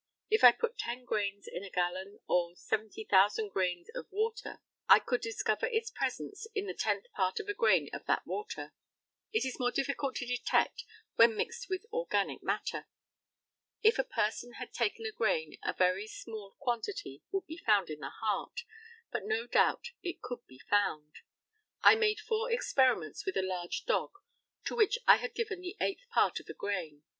If I put 10 grains in a gallon or 70,000 grains of water I could discover its presence in the 10th part of a grain of that water. It is more difficult to detect when mixed with organic matter. If a person had taken a grain a very small quantity would be found in the heart, but no doubt it could be found. I made four experiments with a large dog to which I had given the eighth part of a grain.